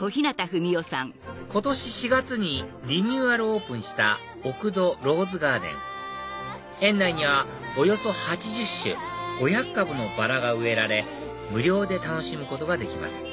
今年４月にリニューアルオープンした奥戸ローズガーデン園内にはおよそ８０種５００株のバラが植えられ無料で楽しむことができます